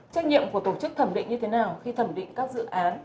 trách nhiệm của tổ chức thẩm định như thế nào khi thẩm định các dự án